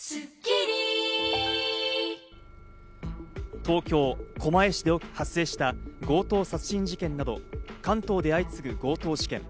東京・狛江市で発生した強盗殺人事件など、関東で相次ぐ強盗事件。